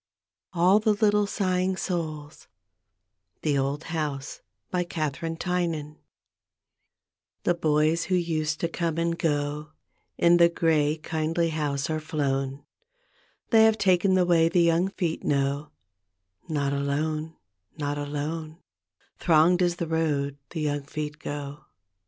D,gt,, erihyGOOglC The Old House THE OLD HOUSE : kathbrinb tynan The boys who used to come and go In the grey kindly house are flown. They have taken the way the young feet know; Not alone, not alone I Thronged is the road the young feet go.